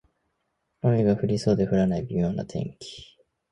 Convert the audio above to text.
雨が降りそうで降らない微妙な天気